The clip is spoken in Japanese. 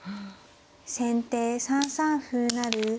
先手３三歩成。